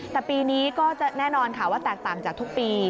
แต่ปีนี้ก็จะแน่นอนค่ะว่าแตกต่างจากทุกปี